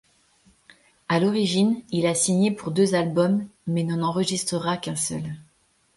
À l'origine, il a signé pour deux albums, mais n'en enregistrera qu'un seul.